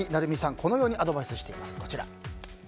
このようにアドバイスしています。